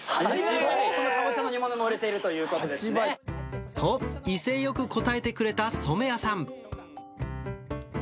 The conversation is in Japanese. このカボチャの煮物が売れてるということですね。と、威勢よく答えてくれた染谷さん。